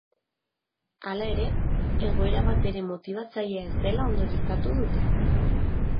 Hala ere, egoera batere motibatzailea ez dela ondorioztatu dute.